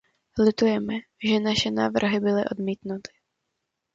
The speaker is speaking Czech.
Litujeme, že naše návrhy byly odmítnuty.